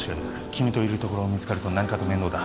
君といるところを見つかると何かと面倒だ